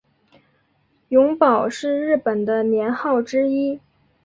永保是日本的年号之一。